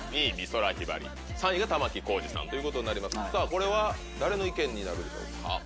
これは誰の意見になるでしょうか？